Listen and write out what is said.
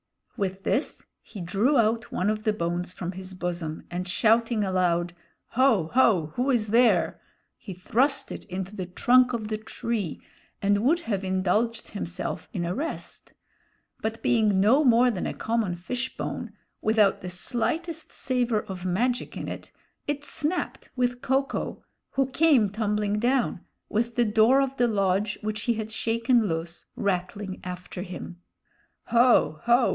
With this he drew out one of the bones from his bosom, and shouting aloud, "Ho! ho! who is there?" he thrust it into the trunk of the tree and would have indulged himself in a rest; but being no more than a common fish bone, without the slightest savor of magic in it, it snapped with Ko ko, who came tumbling down, with the door of the lodge, which he had shaken loose, rattling after him. "Ho! ho!